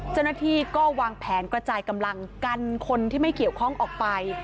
เจ้าหน้าที่ก็วางแผนกระจายกำลังกันคนที่ไม่เกี่ยวข้องออกไป